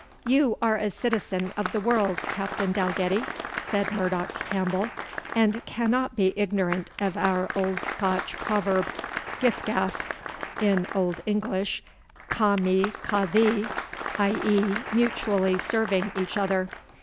"You are a citizen of the world, Captain Dalgetty," said Murdoch Campbell, "and cannot be ignorant of our old Scotch proverb, GIF GAF, [In old English, KA ME KA THEE, i.e. mutually serving each other.